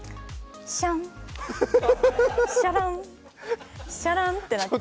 シャン、シャラン、シャランってなって。